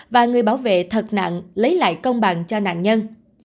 và người bảo vệ thật nặng lấy lại công bằng cho nạn nhân